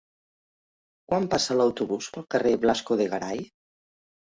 Quan passa l'autobús pel carrer Blasco de Garay?